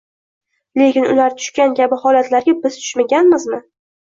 Lekin ular tushgan kabi holatlarga biz tushmaganmizmi?